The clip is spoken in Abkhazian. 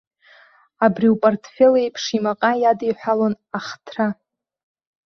Абри упартфел еиԥш, имаҟа иадиҳәалон ахҭра.